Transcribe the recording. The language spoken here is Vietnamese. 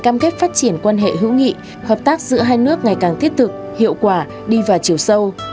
cam kết phát triển quan hệ hữu nghị hợp tác giữa hai nước ngày càng thiết thực hiệu quả đi vào chiều sâu